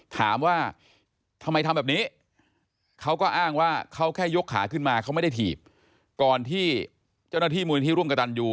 ก่อนที่เจ้าหน้าที่มูลนิธิร่วมกระตันอยู่